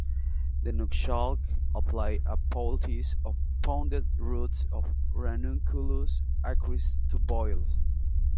The Nuxalk apply a poultice of pounded roots of Ranunculus acris to boils.